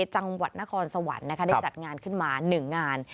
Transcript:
จังหวัดนครสวรรค์ได้จัดงานขึ้นมา๑งาน